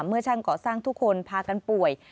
เมื่อช่างก่อสร้างทุกคนพากันป่วย